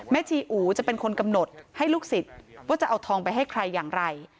ชีอู๋จะเป็นคนกำหนดให้ลูกศิษย์ว่าจะเอาทองไปให้ใครอย่างไร